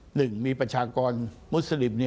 หนึ่งมีประชากรมุสลิม